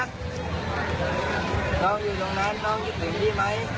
นอกอยู่ตรงนั้นนอกเรียกถึงพี่ไหม